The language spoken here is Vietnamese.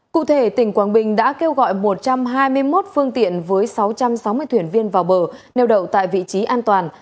cụ thể tỉnh quảng bình đã kêu gọi một trăm hai mươi một phương tiện với sáu trăm sáu mươi thuyền viên vào bờ neo đậu tại vị trí an toàn